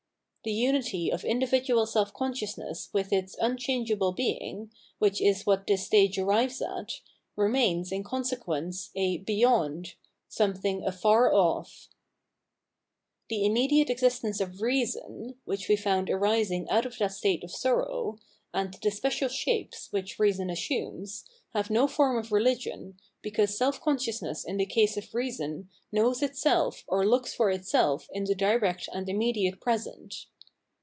The unity of individual self consciousness with its unchangeable Being, which is what this stage arrives at, remains, in consequence, a beyond," something afar off. 6$5 ggg Phenornenology of Mind The inunediate existence of Reason (which we found arising out of that state of sorrow), and the special shapes which reason assumes, have no form of religion, because self consciousness in the case of reason knows itself ox looks for itself in the direct and immediate present.